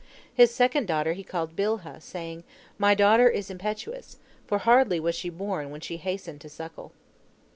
His second daughter he called Bilhah, saying, 'My daughter is impetuous,' for hardly was she born when she hastened to suckle.